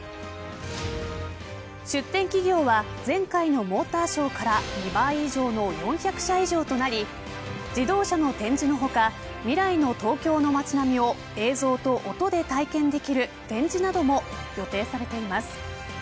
出展企業は、前回のモーターショーから２倍以上の４００社以上となり自動車の展示の他未来の東京の街並みを映像と音で体験できる展示なども予定されています。